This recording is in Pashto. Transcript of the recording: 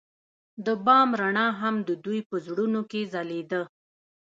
د بام رڼا هم د دوی په زړونو کې ځلېده.